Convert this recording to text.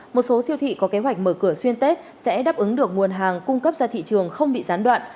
một số siêu thị có kế hoạch mở cửa xuyên tết sẽ đáp ứng được nguồn hàng cung cấp ra thị trường không bị gián đoạn